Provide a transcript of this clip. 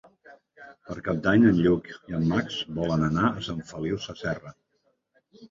Per Cap d'Any en Lluc i en Max volen anar a Sant Feliu Sasserra.